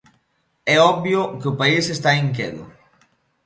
É obvio que o país está inquedo.